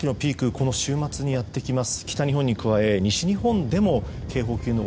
この週末にやってきます。